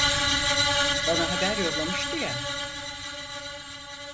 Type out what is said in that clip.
Bana haber yollamıştı ya…